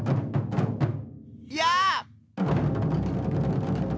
や！